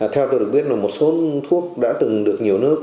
theo tôi được biết là một số thuốc đã từng được nhiều nước